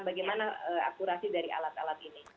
bagaimana akurasi dari alat alat ini